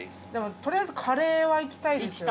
とりあえずカレーはいきたいですよね。